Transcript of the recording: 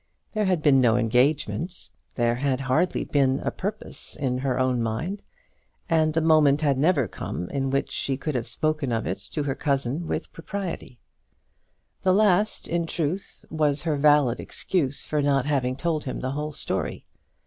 There had been no engagement; there had hardly been a purpose in her own mind; and the moment had never come in which she could have spoken of it to her cousin with propriety. That last, in truth, was her valid excuse for not having told him the whole story.